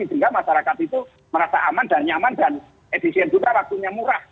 sehingga masyarakat itu merasa aman dan nyaman dan efisien juga waktunya murah